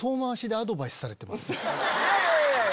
いやいや！